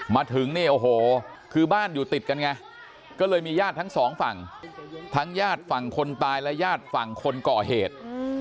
มาถึงเนี่ยโอ้โหคือบ้านอยู่ติดกันไงก็เลยมีญาติทั้งสองฝั่งทั้งญาติฝั่งคนตายและญาติฝั่งคนก่อเหตุ